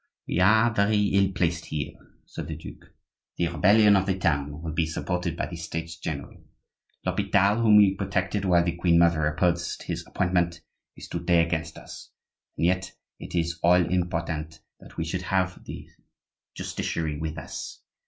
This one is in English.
"We are very ill placed here," said the duke; "the rebellion of the town will be supported by the States general. L'Hopital, whom we protected while the queen mother opposed his appointment, is to day against us, and yet it is all important that we should have the justiciary with us.